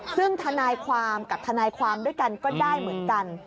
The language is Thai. ซึ่งทนายความกับทนายความด้วยกันก็ได้เหมือนกัน